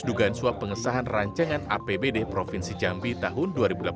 dugaan suap pengesahan rancangan apbd provinsi jambi tahun dua ribu delapan belas